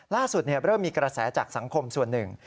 ล่าสุดเริ่มมีกระแสจากสังคมส่วนหนึ่ง